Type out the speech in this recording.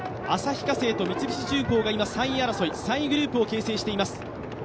旭化成と三菱重工が今３位争い、３位グループを形成しています。